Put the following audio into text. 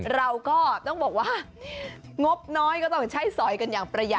เราก็ต้องบอกว่างบน้อยก็ต้องใช้สอยกันอย่างประหยัด